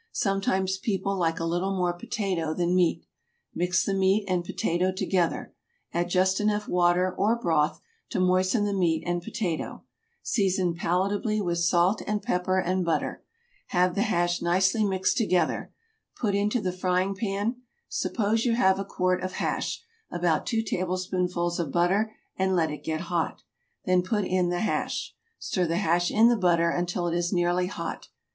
Sometimes people like a little more potato than meat. Mix the meat and potato together; add just enough water or broth to moisten the meat and potato. Season palatably with salt and pepper and butter; have the hash nicely mixed together; put into the frying pan; suppose you have a quart of hash, about two tablespoonfuls of butter and let it get hot, then put in the hash. Stir the hash in the butter until it is nearly hot.